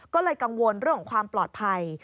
ก็เลยกังวลเรื่องของความปลอดภัย